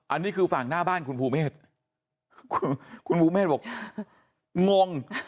อันนี้คือฝั่งหน้าบ้านคุณภูเมฆคุณภูเมฆบอกงง